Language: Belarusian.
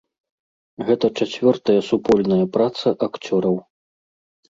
Гэта чацвёртая супольная праца акцёраў.